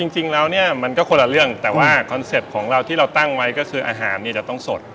จริงแล้วเนี่ยมันก็คนละเรื่องแต่ว่าคอนเซ็ปต์ของเราที่เราตั้งไว้ก็คืออาหารเนี่ยจะต้องสด